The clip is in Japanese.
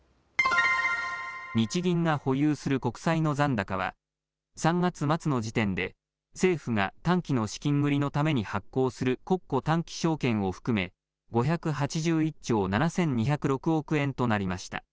日銀が保有する国債の残高は３月末の時点で政府が短期の資金繰りのために発行する国庫短期証券を含め５８１兆７２０６億円となりました。